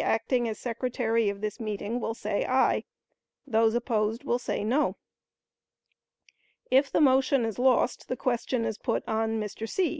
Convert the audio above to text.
acting as secretary of this meeting, will say aye;—those opposed will say no." If the motion is lost the question is put on Mr. C.